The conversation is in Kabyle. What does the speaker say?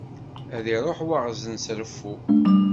Ad iruḥ waɣzen s reffu.